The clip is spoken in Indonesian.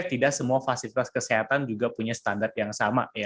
tidak semua fasilitas kesehatan juga punya standar yang sama ya